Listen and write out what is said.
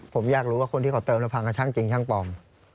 ผมอยากรู้ว่าคนที่เขาเติมแล้วพังกับช่างจริงช่างปลอม